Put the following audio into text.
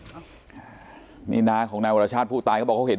อ่านี่นาเขานายโวละชาตุผู้ตายเขาบอกเขาเห็น